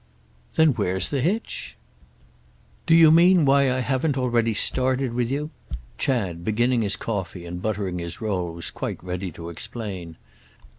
"Then where's the hitch?" "Do you mean why I haven't already started with you?" Chad, beginning his coffee and buttering his roll, was quite ready to explain.